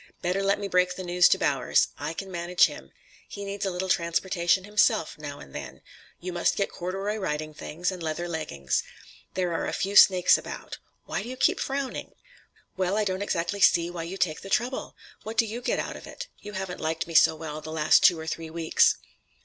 Better let me break the news to Bowers. I can manage him. He needs a little transportation himself now and then. You must get corduroy riding things and leather leggings. There are a few snakes about. Why do you keep frowning?" "Well, I don't exactly see why you take the trouble. What do you get out of it? You haven't liked me so well the last two or three weeks."